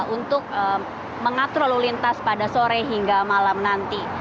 untuk mengatur lalu lintas pada sore hingga malam nanti